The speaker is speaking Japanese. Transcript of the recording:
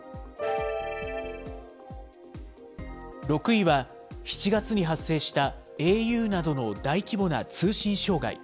６位は、７月に発生したａｕなどの大規模な通信障害。